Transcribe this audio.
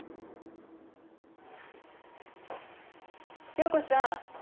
容子さん